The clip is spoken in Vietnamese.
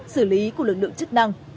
xử lý của lực lượng chức năng